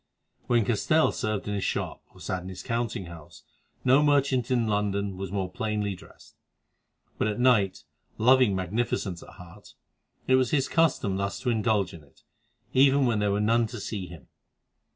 When Castell served in his shop or sat in his counting house no merchant in London was more plainly dressed; but at night, loving magnificence at heart, it was his custom thus to indulge in it, even when there were none to see him.